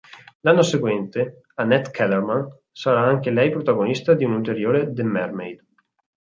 L'anno seguente, Annette Kellerman sarà anche lei protagonista di un ulteriore "The Mermaid".